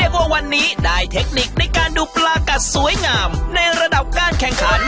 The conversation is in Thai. ว่าวันนี้ได้เทคนิคในการดูปลากัดสวยงามในระดับการแข่งขัน